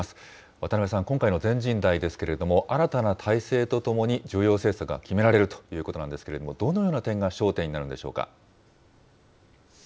渡辺さん、今回の全人代ですけれども、新たな体制とともに重要政策が決められるということなんですけれども、どのような点が焦点になるんでしょうか。